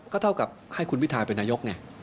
ก็เท่ากับให้คุณพิทาเป็นนายกไง